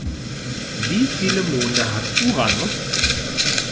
Wie viele Monde hat Uranus?